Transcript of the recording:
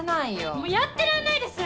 もうやってらんないです。